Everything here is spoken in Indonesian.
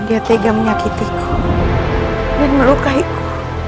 dia tega menyakitiku dan melukaiku